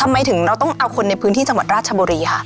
ทำไมถึงเราต้องเอาคนในพื้นที่จังหวัดราชบุรีค่ะ